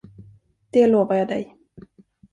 Det lovar jag dig.